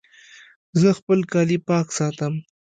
زه خپل کالي پاک ساتم